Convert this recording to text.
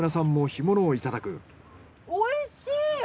おいしい！